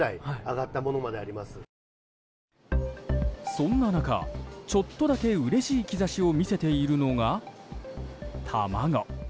そんな中、ちょっとだけうれしい兆しを見せているのが卵。